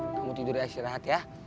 kamu tidur ya istirahat ya